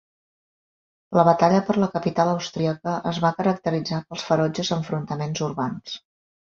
La batalla per la capital austríaca es va caracteritzar pels ferotges enfrontaments urbans.